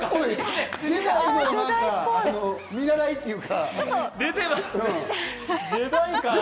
ジェダイの見習いっていうか。